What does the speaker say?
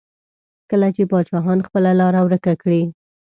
کله چې پاچاهان خپله لاره ورکه کړي.